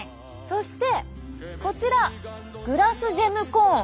そしてこちらグラスジェムコーン。